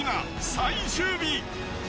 最終日。